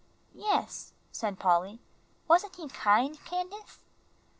"Yes," said Polly. "Wasn't he kind, Candace?"